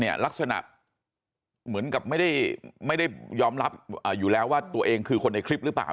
ลักษณะเหมือนกับไม่ได้ยอมรับอยู่แล้วว่าตัวเองคือคนในคลิปหรือเปล่า